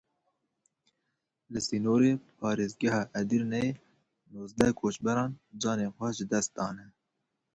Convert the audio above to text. Li sînorê parêzgeha Edirneyê nozdeh koçberan canê xwe ji dest dane.